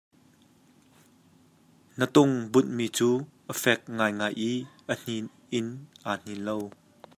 Na tung bunhmi cu a fek ngaingai i a hnin in aa hnin lo.